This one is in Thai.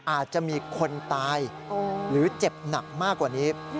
อาจจะมีคนตายหรือเจ็บหนักมากกว่านี้